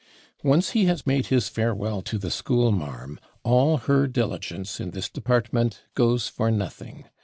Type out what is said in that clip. Once he has made his farewell to the school marm, all her diligence in this department goes for nothing.